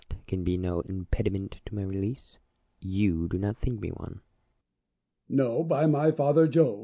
No, by my Father Jove